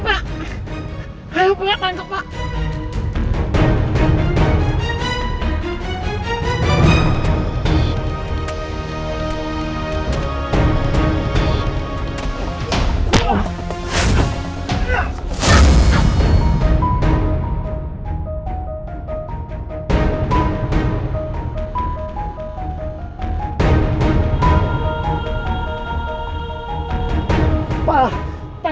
pak tangkap pak